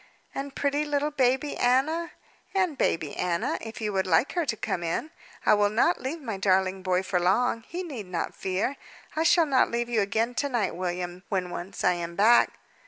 "And pretty little baby Anna?" "And baby Anna, if you would like her to come in. I will not leave my darling boy for long; he need not fear. I shall not leave you again to night, William, when once I am back."